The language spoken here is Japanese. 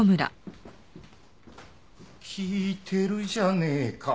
聞いてるじゃねえか。